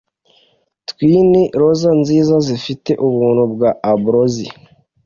twin roza nziza zifite ubuntu bwa ambrosial